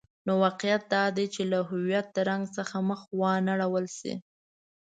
نو واقعیت دادی چې له هویت رنګ څخه مخ وانه ړول شي.